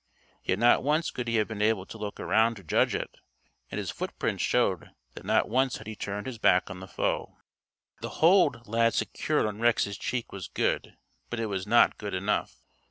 Yet not once could he have been able to look around to judge it, and his foot prints showed that not once had he turned his back on the foe.) The hold Lad secured on Rex's cheek was good, but it was not good enough.